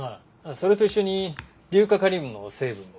それと一緒に硫化カリウムの成分も。